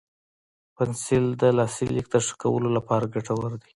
پنسل د لاسي لیک د ښه کولو لپاره ګټور دی.